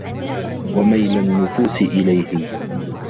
وَمَيْلَ النُّفُوسِ إلَيْهِ